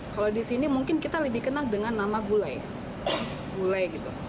kalau di sini mungkin kita lebih kenal dengan nama gulai gulai gitu